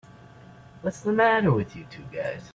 What's the matter with you two guys?